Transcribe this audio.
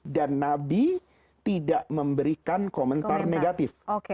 dan nabi tidak memberikan komentar negatif